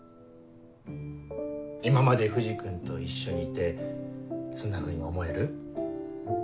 今まで藤君と一緒にいてそんなふうに思える？